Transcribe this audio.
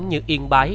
như yên bái